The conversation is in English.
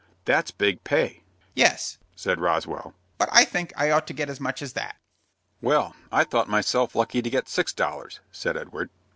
"That's big pay." "Yes," said Roswell; "but I think I ought to get as much as that." "Why, I thought myself lucky to get six dollars," said Edward.